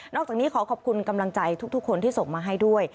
อกจากนี้ขอขอบคุณกำลังใจทุกคนที่ส่งมาให้ด้วย